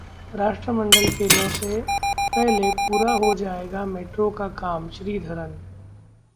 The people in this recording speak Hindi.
राष्ट्रमंडल खेलों से पहले पूरा हो जाएगा मेंट्रो का काम: श्रीधरन